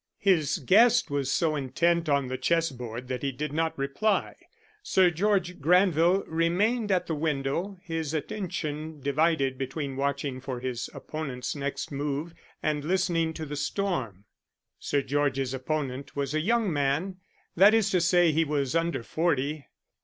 His guest was so intent on the chess board that he did not reply. Sir George Granville remained at the window, his attention divided between watching for his opponent's next move and listening to the storm. Sir George's opponent was a young man; that is to say, he was under forty.